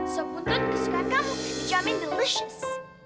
soap untun kesukaan kamu dijamin delicious